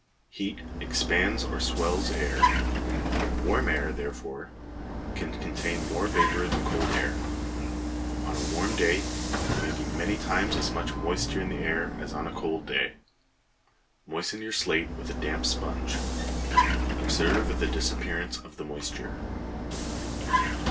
Heat expands or swells air. Warm air, therefore, can contain more vapor than cold air. On a warm day there may be many times as much moisture in the air as on a cold day. Moisten your slate with a damp sponge. Observe the disappearance of the moisture.